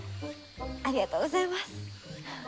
ありがとうございます。